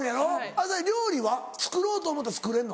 朝日料理は作ろうと思ったら作れんの？